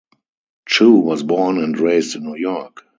Chu was born and raised in New York.